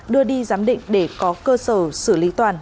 đưa đi giám định để có cơ sở xử lý toàn